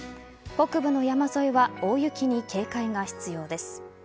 北部の山沿いは大雪に警戒が必要です。